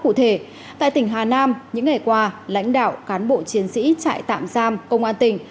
cụ thể tại tỉnh hà nam những ngày qua lãnh đạo cán bộ chiến sĩ trại tạm giam công an tỉnh